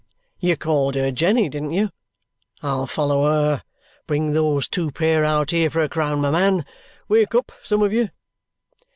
"You called her Jenny, didn't you? I'll follow her. Bring those two pair out here for a crown a man. Wake up, some of you!"